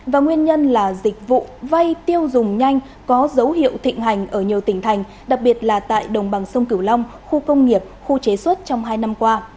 và nguyên nhân là dịch vụ vay tiêu dùng nhanh có dấu hiệu thịnh hành ở nhiều tỉnh thành đặc biệt là tại đồng bằng sông cửu long khu công nghiệp khu chế xuất trong hai năm qua